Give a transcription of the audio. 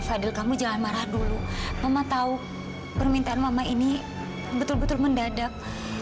aku sudah tahu permintaan mama ini betul betul mendadak